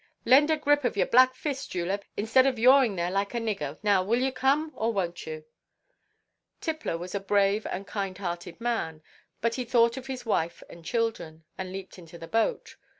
Lend a grip of your black fist, Julep, instead of yawing there like a nigger. Now will you come, or wonʼt you?" Tippler was a brave and kind–hearted man; but he thought of his wife and children, and leaped into the boat.